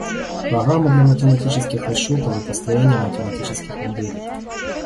Программы для математических расчетов и построения математических моделей